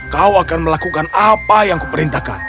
kau akan melakukan apa yang kuperintahkan